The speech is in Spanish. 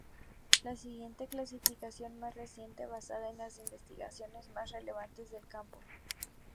La siguiente clasificación más reciente, basada en las investigaciones más relevantes del campo.